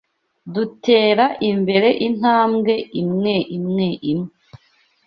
Dutera imbere intambwe imwe imwe imwe.